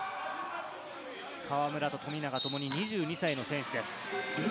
河村と富永ともに２２歳の選手です。